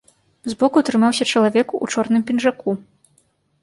Збоку трымаўся чалавек у чорным пінжаку.